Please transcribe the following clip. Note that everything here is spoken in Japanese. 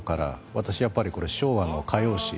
私はやっぱり昭和の歌謡史